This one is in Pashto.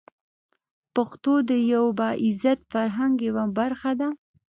پښتو د یوه با عزته فرهنګ یوه برخه ده.